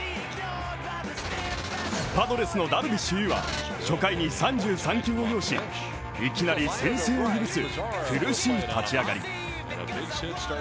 パドレスのダルビッシュ有は初回に３３球を要しいきなり先制を許す苦しい立ち上がり。